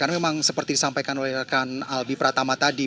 karena memang seperti disampaikan oleh albi pratama tadi